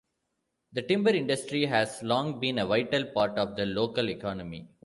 The timber industry has long been a vital part of the local economy.